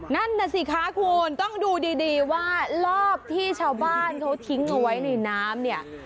นั่นน่ะสิคะคุณต้องดูดีว่ารอบที่ชาวบ้านเขาทิ้งเอาไว้ในน้ำเนี่ย